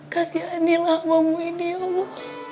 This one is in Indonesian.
kasihanilah ambu ini ya allah